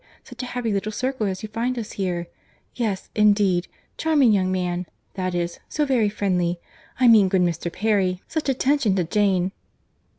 —Such a happy little circle as you find us here.—Yes, indeed.—Charming young man!—that is—so very friendly; I mean good Mr. Perry!—such attention to Jane!"